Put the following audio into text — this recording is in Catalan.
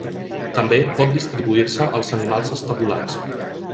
També pot distribuir-se als animals estabulats.